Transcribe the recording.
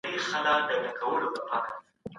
خپل مخ په پاکو اوبو تازه وساتئ.